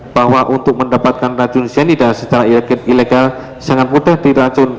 bahwa untuk mendapatkan racun cyanida secara ilegal sangat mudah diracun